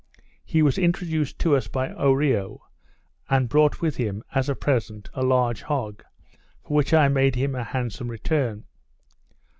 He was introduced to us by Oreo, and brought with him, as a present, a large hog, for which I made him a handsome return.